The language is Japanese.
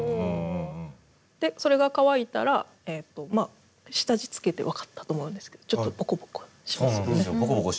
でそれが乾いたら下地つけて分かったと思うんですけどちょっとボコボコしますよね。